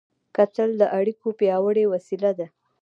کتل د اړیکو پیاوړې وسیله ده